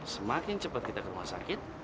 semakin cepat kita ke rumah sakit